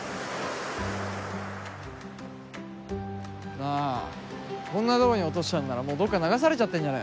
なあこんな所に落としたんならもうどっか流されちゃってんじゃねえの？